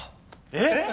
えっ？